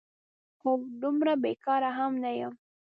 هو، دومره بېکاره هم نه یم؟!